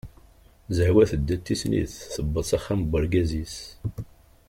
Zehwa tedda d tislit, tewweḍ s axxam n urgaz-is.